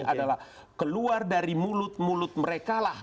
adalah keluar dari mulut mulut mereka lah